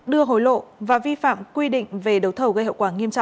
đưa hối lộ và vi phạm quy định về đấu thầu gây hậu quả nghiêm trọng